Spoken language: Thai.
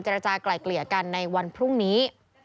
รจากลายเกลี่ยกันในวันพรุ่งนี้